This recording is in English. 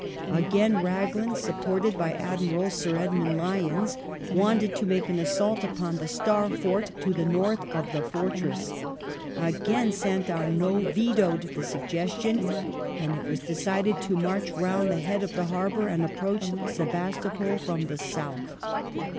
Again Raglan, supported by Admiral Sir Edmund Lyons, wanted to make an assault upon the Star Fort to the north of the fortress. Again St. Amaud vetoed the suggestion, and it was decided to march round the head of the harbour and approach Sebastopol. from the south.